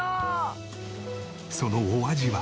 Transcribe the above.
そのお味は？